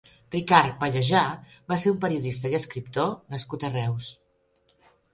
Ricard Pallejà va ser un periodista i escriptor nascut a Reus.